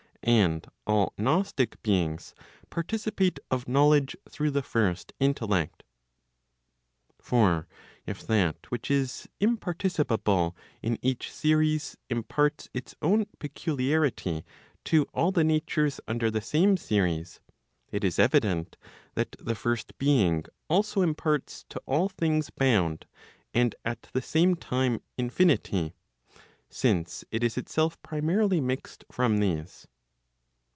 And all gnostic beings participate of knowledge, through the first intellect. For if that which is imparticipable in each series imparts its own peculiarity to all the natures under the same series, it is evident that the first being also imparts to all things bound, and at the same time infinity, since it is itself primarily mixed from these.